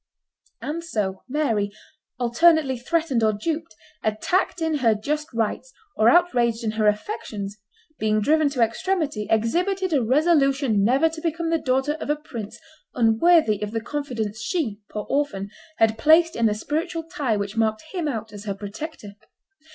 And so Mary, alternately threatened or duped, attacked in her just rights or outraged in her affections, being driven to extremity, exhibited a resolution never to become the daughter of a prince unworthy of the confidence she, poor orphan, had placed in the spiritual tie which marked him out as her protector.